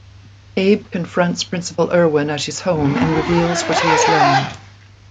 Abe confronts Principal Erwin at his home and reveals what he has learned.